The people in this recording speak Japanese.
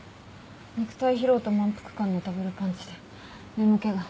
肉体疲労と満腹感のダブルパンチで眠気が。